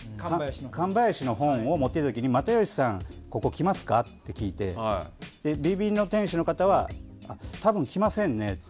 上林の本を持って行った時に又吉さん、ここ来ますか？って聞いて、ビビビの店主の方は多分、来ませんねって。